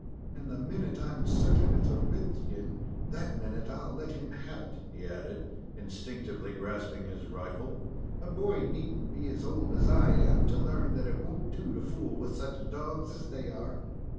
"And the minute I'm certain its a red skin, that minute I'll let him have it," he added, instinctively grasping his rifle. "A boy need n't be as old as I am to learn that it won't do to fool with such dogs as they are."